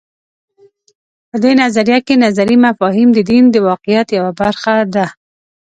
په دې نظریه کې نظري مفاهیم د دین د واقعیت یوه برخه ده.